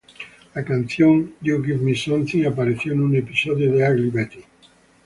La canción "You Give Me Something" apareció en un episodio de "Ugly Betty".